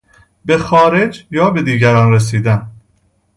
به خارج یا به دیگران رسیدن